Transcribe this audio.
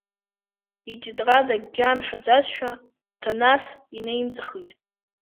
Итетрад, акгьы амҳәаӡазшәа, Ҭанас инаимҵихит…